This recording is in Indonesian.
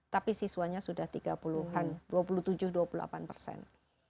tapi siswanya sudah tiga puluh an